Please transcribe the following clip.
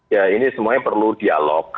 ya ini semuanya perlu dialog